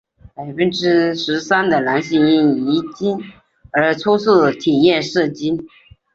百分之十三的男性因遗精而初次体验射精。